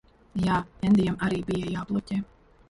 Jā. Endijam arī bija jābloķē.